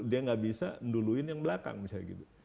dia tidak bisa mendului yang belakang misalnya gitu